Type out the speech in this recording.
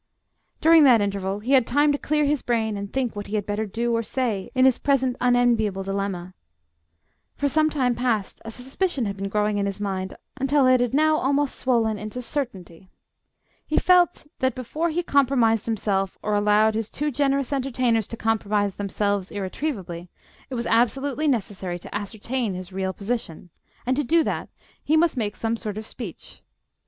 During that interval he had time to clear his brain and think what he had better do or say in his present unenviable dilemma. For some time past a suspicion had been growing in his mind, until it had now almost swollen into certainty. He felt that, before he compromised himself, or allowed his too generous entertainers to compromise themselves irretrievably, it was absolutely necessary to ascertain his real position, and, to do that, he must make some sort of speech.